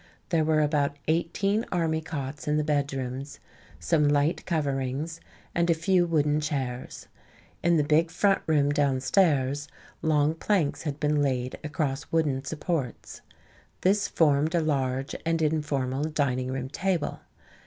There were about eighteen army cots in the bedrooms, some light coverings, and a few wooden chairs. In the big front room downstairs long planks had been laid across wooden supports. This formed a large and informal dining room table.